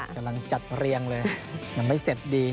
กำลังจัดเรียงเลยยังไม่เสร็จดี